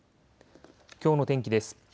きょうの天気です。